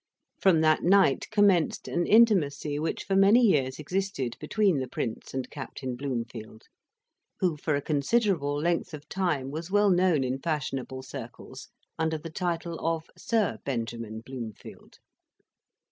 From that night commenced an intimacy which for many years existed between the Prince and Captain Bloomfield; who for a considerable length of time was well known in fashionable circles under the title of Sir Benjamin Bloomfield.